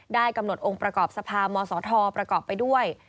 กำหนดองค์ประกอบสภามศทประกอบไปด้วย